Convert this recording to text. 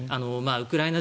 ウクライナ